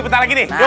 bentar lagi nih